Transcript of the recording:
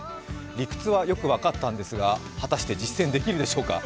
理屈はよく分かったんですが、果たして実践できるでしょうか？